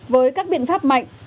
với các biện pháp mạnh